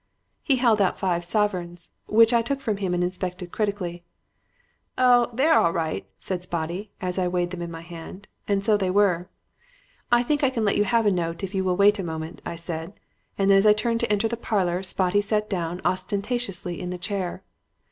He held out five sovereigns, which I took from him and inspected critically. "'Oh, they're all right,' said Spotty, as I weighed them in my hand. And so they were. "'I think I can let you have a note if you will wait a moment,' I said; and, as I turned to enter the parlor, Spotty sat down ostentatiously in the chair.